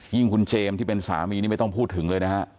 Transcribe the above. คุณเจมส์ที่เป็นสามีนี่ไม่ต้องพูดถึงเลยนะฮะ